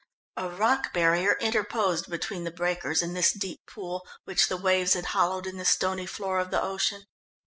A rock barrier interposed between the breakers and this deep pool which the waves had hollowed in the stony floor of the ocean.